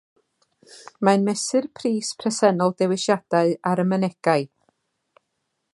Mae'n mesur pris presennol dewisiadau ar y mynegai.